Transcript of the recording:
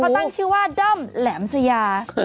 เขาตั้งชื่อว่าด้อมแหลมสยา